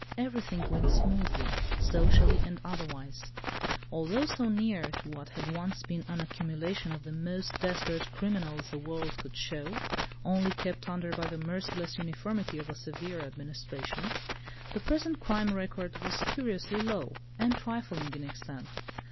Everything went smoothly, socially and otherwise. Although so near to what had once been an accumulation of the most desperate criminals the world could show, only kept under by the merciless uniformity of a severe administration—the present crime record was curiously low, and trifling in extent.